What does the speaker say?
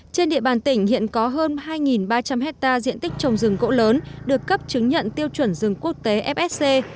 trên địa bàn tỉnh hiện có hơn hai ba trăm linh hectare diện tích trồng rừng gỗ lớn được cấp chứng nhận tiêu chuẩn rừng quốc tế fsc